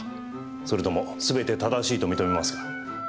それともすべて正しいと認めますか？